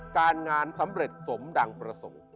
การงานสำเร็จสมดังประสงค์